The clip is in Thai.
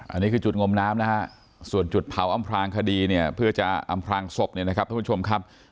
อันนี้คือจุดงมน้ำนะฮะส่วนจุดเผาอำพลางคดีเนี่ยเพื่อจะอำพลางศพเนี่ยนะครับท่านผู้ชมครับ